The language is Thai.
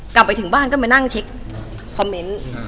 กลับไปถึงบ้านก็มานั่งเช็คคอมเมนต์